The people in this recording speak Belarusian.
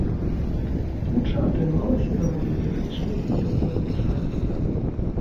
Тут жа атрымалася даволі лірычнае ды цёплае гучанне.